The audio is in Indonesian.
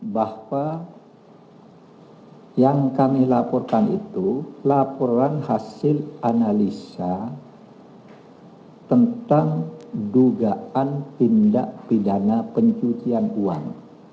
bahwa yang kami laporkan itu laporan hasil analisa tentang dugaan tindak pidana pencucian uang